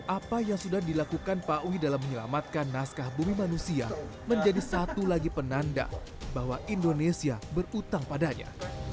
apa yang sudah dilakukan pak ui dalam menyelamatkan naskah bumi manusia menjadi satu lagi penanda bahwa indonesia berutang padanya